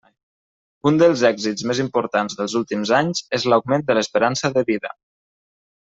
Un dels èxits més importants dels últims anys és l'augment de l'esperança de vida.